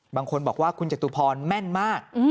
บางคนบอกว่าคุณจตุพรแม่นมาก